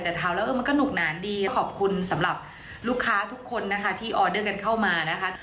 แต่ถามแล้วมันก็หนุกหนานดีขอบคุณสำหรับลูกค้าทุกคนนะคะที่ออเดอร์กันเข้ามานะคะ